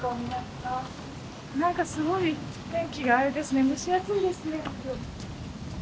なんかすごい天気があれですね蒸し暑いですね今日。